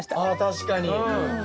確かに。